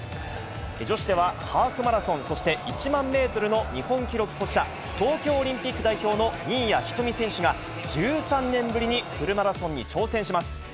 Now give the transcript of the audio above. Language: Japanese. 女子では、ハーフマラソン、そして１万メートルの日本記録保持者、東京オリンピック代表の新谷仁美選手が、１３年ぶりにフルマラソンに挑戦します。